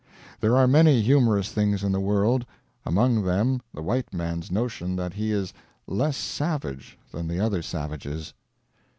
There are many humorous things in the world; among them the white man's notion that he is less savage than the other savages.